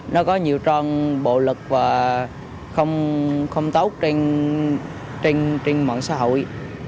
nó có nhiều trang bộ lực và không tốt trên mạng xã hội